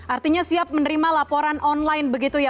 artinya siap menerima laporan online begitu ya